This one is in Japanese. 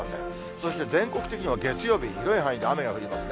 そして全国的には月曜日、広い範囲で雨が降りますね。